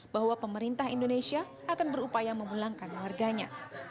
bahwa pemerintah indonesia akan berupaya memulangkan warganya